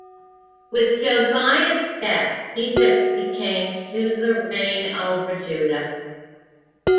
With Josiah's death Egypt became suzerain over Judah.